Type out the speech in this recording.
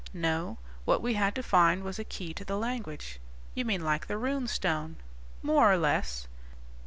No, what we had to find was a key to the language." "You mean like the Rune Stone?" "More or less.